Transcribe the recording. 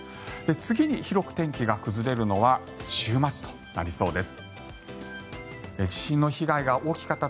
次に広く天気が崩れるのは週末となりそうです。